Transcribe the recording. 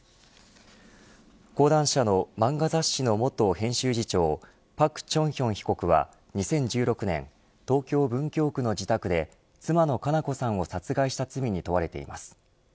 講談社の漫画雑誌の元編集次長朴鐘顕被告は２０１６年東京、文京区の自宅で妻の佳菜子さんを殺害した罪に問われています。